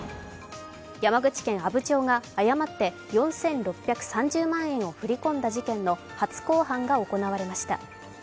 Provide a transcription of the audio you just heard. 山口県阿武町が誤って４６３０万円を振り込んだ事件の初公判が行われました。